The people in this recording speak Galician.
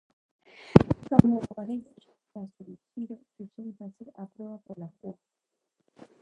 Cando o aparello xa está somerxido suxéitase á proa pola cúa.